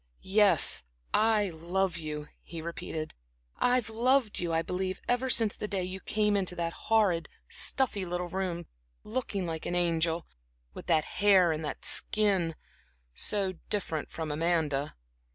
"Yes, I love you," he repeated. "I've loved you, I believe, ever since the day you came into that horrid, stuffy little room, looking like an angel with that hair and that skin so different from Amanda."